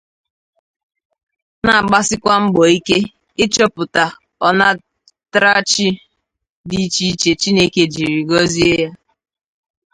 na-agbasikwa mbọ ike ịchọpụta ọnatrachi dị iche iche Chineke jiri gọzie ha